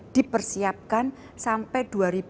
dipersiapkan sampai dua ribu empat puluh lima